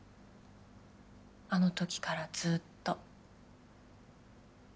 あの時からずっと。